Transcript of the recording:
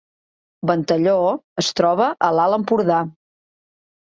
Ventalló es troba a l’Alt Empordà